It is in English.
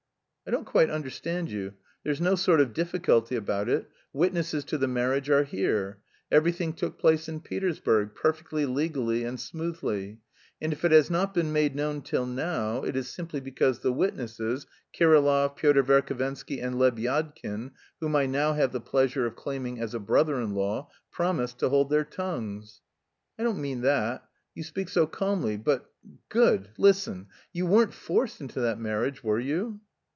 "I don't quite understand you. There's no sort of difficulty about it, witnesses to the marriage are here. Everything took place in Petersburg, perfectly legally and smoothly, and if it has not been made known till now, it is simply because the witnesses, Kirillov, Pyotr Verhovensky, and Lebyadkin (whom I now have the pleasure of claiming as a brother in law) promised to hold their tongues." "I don't mean that... You speak so calmly... but good! Listen! You weren't forced into that marriage, were you?"